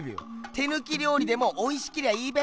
手ぬきりょう理でもおいしけりゃいいべ！